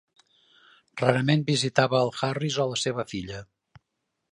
Rarament visitava el Harris o la seva filla.